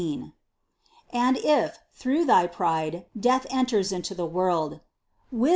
And if, through thy pride, death enters into the world (Wis.